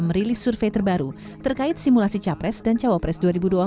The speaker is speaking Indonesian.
merilis survei terbaru terkait simulasi capres dan cawapres dua ribu dua puluh empat